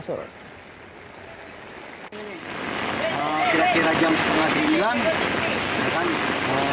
menanggap keadaan mereka